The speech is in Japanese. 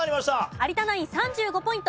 有田ナイン３５ポイント